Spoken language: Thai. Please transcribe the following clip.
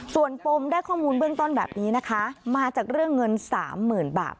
ส่วนปมได้ข้อมูลเบื้องต้นแบบนี้นะคะมาจากเรื่องเงิน๓๐๐๐บาท